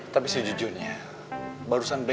tapi sejujurnya barusan b